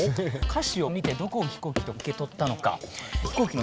歌詞を見てどこを飛行機と受け取ったのか。